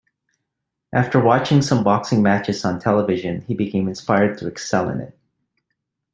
After watching some boxing matches on television, he became inspired to excel in it.